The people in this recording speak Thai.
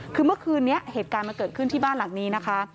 คือเมื่อคืนนี้เหตุการณ์มันเกิดขึ้นที่บ้านหลังนี้นะคะ